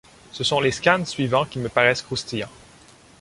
Ce sont les scans suivants qui me paraissent croustillants.